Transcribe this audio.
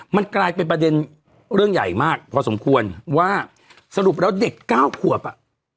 มันกลายเป็นประเด็นเรื่องใหญ่มากพอสมควรว่าสรุปแล้วเด็กเก้าขวบอ่ะ